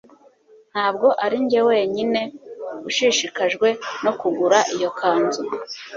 Ntabwo arinjye wenyine ushishikajwe no kugura iyo nzu